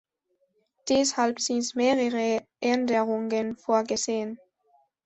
Deshalb sind mehrere Änderungen vorgesehen.